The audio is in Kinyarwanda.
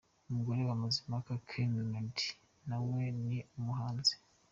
Umugore wa Mazimpaka Kennedy na we ni umuhanzi.